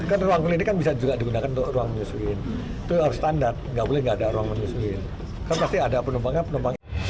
yang tidak diselalu bukan no go item